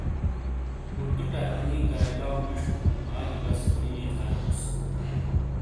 اردو ٹائپنگی کاری لاؤ مِشٹو ہوں آ گی بَس انُو یَجاروموس۔